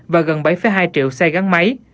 và gần bảy hai triệu xe gắn máy